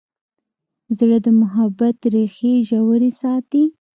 زړه د محبت ریښې ژورې ساتي.